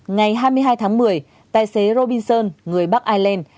ngày hai mươi hai tháng một mươi tài xế robinson người bắc ireland